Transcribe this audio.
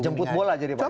jemput bola jadi pak tony